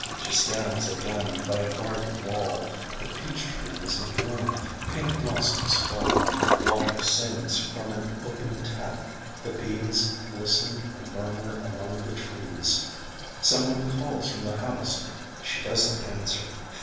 She stands again by a garden wall, The peach tree is in bloom, pink blossoms fall, Water sings from an opened tap, the bees Glisten and murmur among the trees. Someone calls from the house. She does not answer.